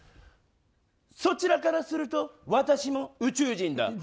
そちらからすると私も宇宙人だ。